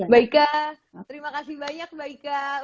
baiklah terima kasih banyak baiklah